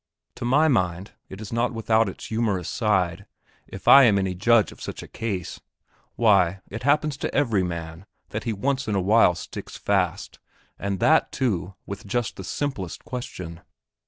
To my mind it is not without its humorous side, if I am any judge of such a case. Why, it happens to every man that he once in a way sticks fast, and that, too, just with the simplest question.